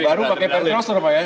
baru pakai paitroser pak ya